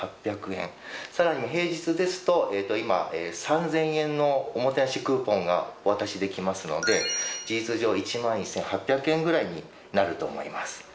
さらに平日ですと、今、３０００円のおもてなしクーポンがお渡しできますので、事実上、１万１８００円ぐらいになると思います。